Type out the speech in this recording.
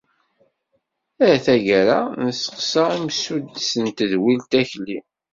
Ar taggara, nesteqsa imsuddes n tedwilt Akli.